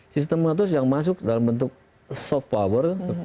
sistem mitos yang masuk dalam bentuk soft power